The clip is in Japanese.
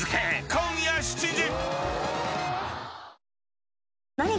今夜７時。